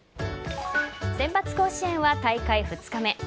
センバツ甲子園は大会２日目。